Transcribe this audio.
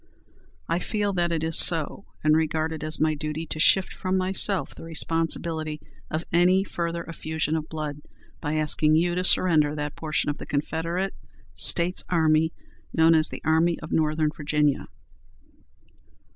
I feel that it is so, and regard it as my duty to shift from myself the responsibility of any further effusion of blood, by asking you to surrender that portion of the Confederate States Army known as the Army of Northern Virginia."